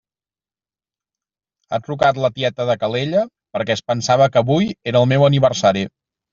Ha trucat la tieta de Calella perquè es pensava que avui era el meu aniversari.